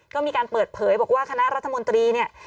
ก็มีการเปิดเผยบอกว่าคณะรัฐมนตรีเนี่ย